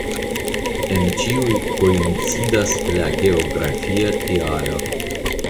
En ĉiuj koincidas la geografia tialo.